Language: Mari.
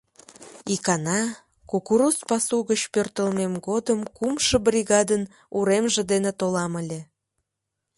Икана, кукуруз пасу гыч пӧртылмем годым кумшо бригадын уремже дене толам ыле.